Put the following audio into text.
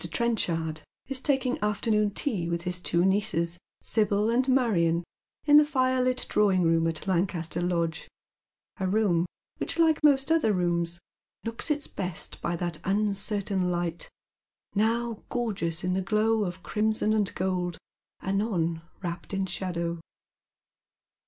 Trenchard is taking afternoon tea with his two niooes, Sibyl and Marion, in the firelit drawing room at Lancaster Lodge a room which, like most other rooms, looks its best by that un certain light, now gorgeous in the glow of crimson and gold, anon wrapped in shadow.